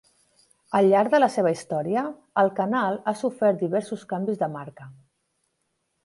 Al llarg de la seva història, el canal ha sofert diversos canvis de marca.